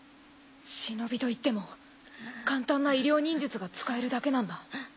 忍といっても簡単な医療忍術が使えるだけなんだ。